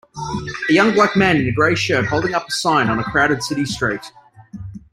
A young black man in a gray shirt holding up a sign on a crowded city street.